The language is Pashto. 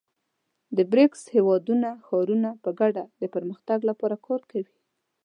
د بریکس هېوادونو ښارونه په ګډه د پرمختګ لپاره کار کوي.